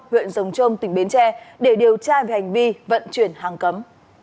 huyện rồng trôm tỉnh bến tre để điều tra về hành vi vận chuyển hàng cấm